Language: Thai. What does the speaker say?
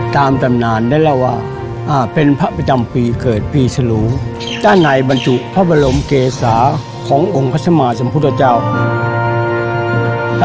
ตำนานได้เล่าว่าเป็นพระประจำปีเกิดปีฉลูด้านในบรรจุพระบรมเกษาขององค์พระสมาสมพุทธเจ้า